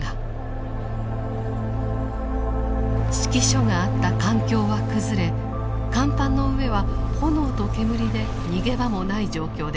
指揮所があった艦橋は崩れ甲板の上は炎と煙で逃げ場もない状況でした。